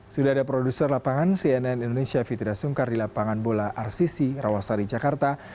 sudah ada produser lapangan cnn indonesia fitriah sungkar di lapangan bola rcc rawasari jakarta